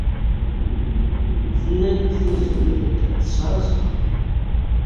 Tenna-yi-d Tiziri d akken tesɛa zzheṛ.